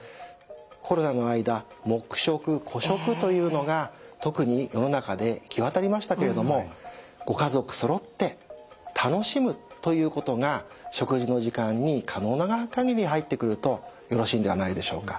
コロナの間黙食個食というのが特に世の中で行き渡りましたけれどもご家族そろって楽しむということが食事の時間に可能な限り入ってくるとよろしいんではないでしょうか？